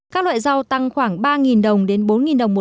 các loại rau tăng khoảng ba đồng đến bốn đồng một kg